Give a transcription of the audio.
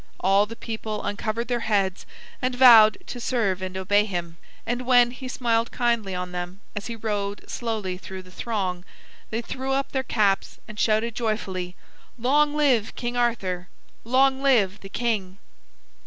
All the people uncovered their heads and vowed to serve and obey him; and when he smiled kindly on them as he rode slowly through the throng, they threw up their caps and shouted joyfully: "Long live King Arthur! Long live the King!"